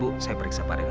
bu saya periksa pak raina